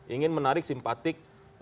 ingin menarik simpatik